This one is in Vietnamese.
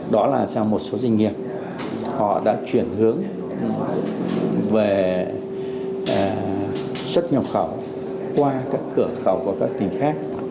đó là sang một số doanh nghiệp họ đã chuyển hướng về xuất nhập khẩu qua các cửa khẩu của các tỉnh khác